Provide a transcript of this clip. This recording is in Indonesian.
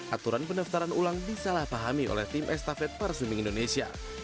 aturan pendaftaran ulang disalahpahami oleh tim estafet para swimming indonesia